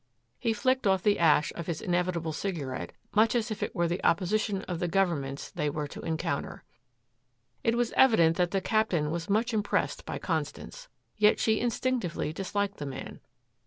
He flicked off the ash of his inevitable cigarette, much as if it were the opposition of the governments they were to encounter. It was evident that the Captain was much impressed by Constance. Yet she instinctively disliked the man.